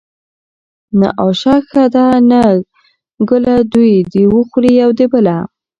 ـ نه آشه ښه ده نه ګله دوي د وخوري يو د بله.